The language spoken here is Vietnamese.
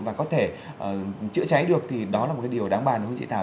và có thể chữa cháy được thì đó là một cái điều đáng bàn đúng không chị thảo